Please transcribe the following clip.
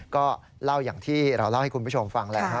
ก็เล่าอย่างที่เราเล่าให้คุณผู้ชมฟังแหละฮะ